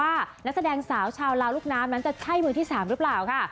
ว่านักแสดงสาวชาวลาวลูกน้ำนั้นจะใช่มือที่๓หรือเปล่าค่ะ